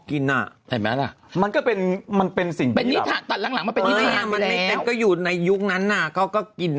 กินอ่ะเห็นไหมล่ะมันก็เป็นมันเป็นไปอยู่ในยุคนั้นน่ะเขาก็กิน